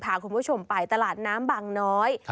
พาคุณผู้ชมไปตลาดน้ำบางน้อย